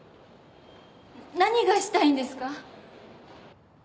何がしたいんですか？